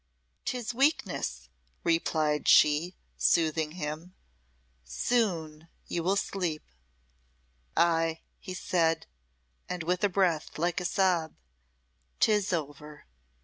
"'Tis weakness," replied she, soothing him. "Soon you will sleep." "Ay," he said, with a breath like a sob. "'Tis over."